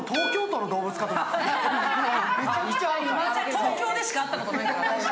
東京でしか会ったことないから、私。